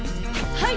はい！